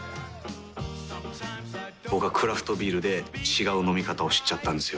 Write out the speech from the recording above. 僕はクラフトビールで違う飲み方を知っちゃったんですよ。